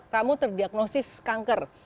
kamu terdiagnosis kanker